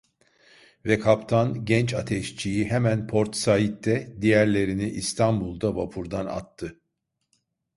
Ve kaptan, genç ateşçiyi hemen Port Sait'te, diğerlerini İstanbul'da vapurdan attı.